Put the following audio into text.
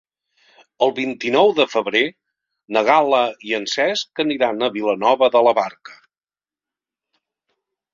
El vint-i-nou de febrer na Gal·la i en Cesc aniran a Vilanova de la Barca.